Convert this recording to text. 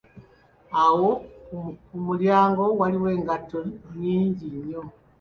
Awo kumulyango waliwo engatto nyinji nnyo.